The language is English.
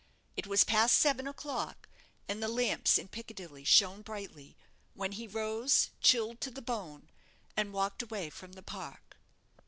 It was past seven o'clock, and the lamps in Piccadilly shone brightly, when he rose, chilled to the bone, and walked away from the park.